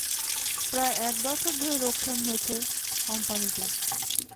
প্রায় এক দশক ধরে লোকসানে রয়েছে কোম্পানিটি।